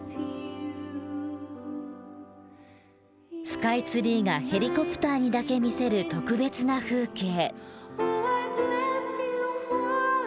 スカイツリーがヘリコプターにだけ見せる特別な風景。